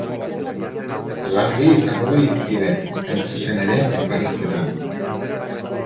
Lan hori izango du hizpide, hain zuen ere elkarrizketan.